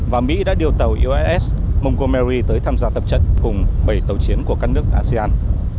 và mỹ đã điều tàu uss monomery tới tham gia tập trận cùng bảy tàu chiến của các nước asean